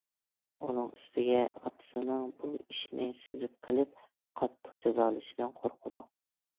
ئۇنىڭ ئۈستىگە ئاتىسىنىڭ بۇ ئىشنى سېزىپ قېلىپ، قاتتىق جازالىشىدىن قورقىدۇ.